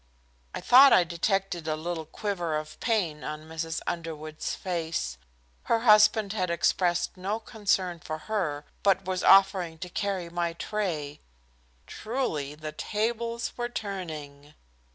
I thought I detected a little quiver of pain on Mrs. Underwood's face. Her husband had expressed no concern for her, but was offering to carry my tray. Truly, the tables were turning.